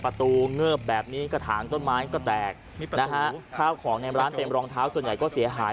เงิบแบบนี้กระถางต้นไม้ก็แตกนะฮะข้าวของในร้านเต็มรองเท้าส่วนใหญ่ก็เสียหาย